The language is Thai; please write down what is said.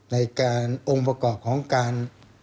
ในการองค์ประกอบของการ